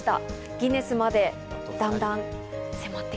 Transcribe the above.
ギネスまでだんだん迫ってくる。